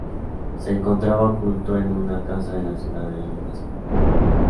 Se encontraba oculto en una casa en la ciudad de Limassol.